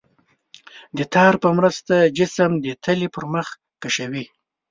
د تار په مرسته جسم د تلې پر مخ کشوي.